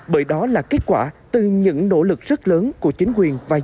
bởi đó là kết quả từ những nỗ lực rất lớn của chính quyền và doanh nghiệp